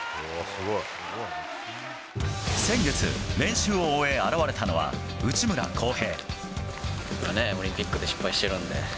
先月、練習を終え現れたのは内村航平。